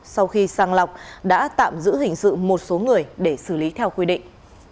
sau khi sang lọc đã tạm giữ hình sự một số người để xử lý theo quy định